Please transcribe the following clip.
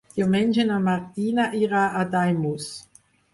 Diumenge na Martina irà a Daimús.